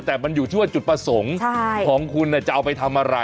แต่มันอยู่ที่ว่าจุดประสงค์ของคุณจะเอาไปทำอะไร